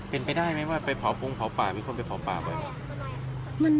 เห็นไปได้มั้ยว่าไปเผาภูมิเผาป่ามีคนไปเผาป่าบ่อยมั้ย